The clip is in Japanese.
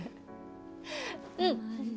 うん！